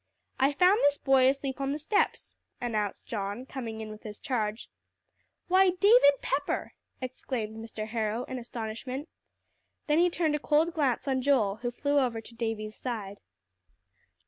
"I found this boy asleep on the steps," announced John, coming in with his charge. "Why, David Pepper!" exclaimed Mr. Harrow in astonishment. Then he turned a cold glance on Joel, who flew over to Davie's side.